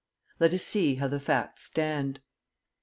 Let us see how the facts stand.